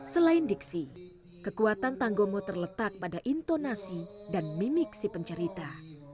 selain diksi kekuatan tanggomo terletak pada intonasi dan mimik si pencerita